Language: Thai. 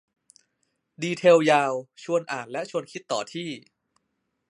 ดีเทลยาว ชวนอ่านและชวนคิดต่อที่